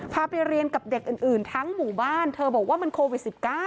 พาไปเรียนกับเด็กอื่นทั้งหมู่บ้านเธอบอกว่ามันโควิด๑๙